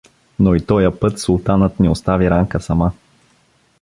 Но и тоя път султанът не остави Ранка сама.